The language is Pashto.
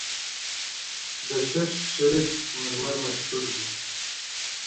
د چشت شریف مرمر مشهور دي